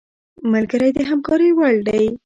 ملګری د همکارۍ وړ دی